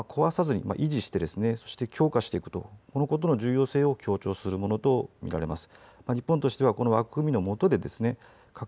この体制を壊さずに維持してですねそして強化していくというこのことの重要性を強調するものと見られます。